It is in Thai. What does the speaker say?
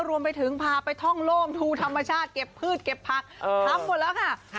รวมไปถึงพาไปท่องโล่งดูธรรมชาติเก็บพืชเก็บผักทำหมดแล้วค่ะ